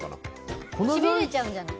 しびれちゃうんじゃない？